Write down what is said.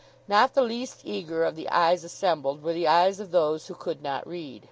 Not the least eager of the eyes assembled, were the eyes of those who could not read.